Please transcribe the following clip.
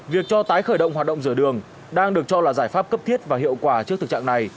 việc cho tái khởi động hoạt động rửa đường đang được cho là giải pháp cấp thiết và hiệu quả trước thực trạng này